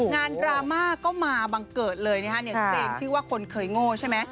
งานดราม่าก็มาบังเกิดเลยนะครับเพลงที่ว่าคนเคยโง่ใช่ไหม